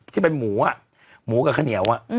ที่เป็นหมูอ่ะหมูกับขะเหนียวอ่ะ